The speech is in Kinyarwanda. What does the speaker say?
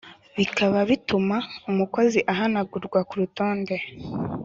bikaba bituma umukozi ahanagurwa ku rutonde